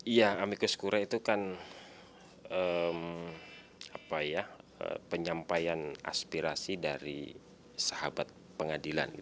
iya amikus kura itu kan penyampaian aspirasi dari sahabat pengadilan